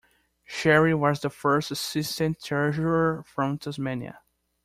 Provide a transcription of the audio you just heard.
Sherry was the first Assistant Treasurer from Tasmania.